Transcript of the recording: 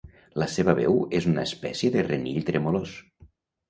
La seva veu és una espècie de renill tremolós.